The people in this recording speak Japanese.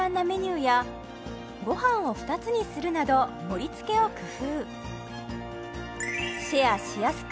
当店で一番人気でご飯を２つにするなど盛りつけを工夫